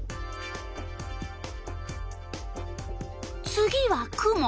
次は雲。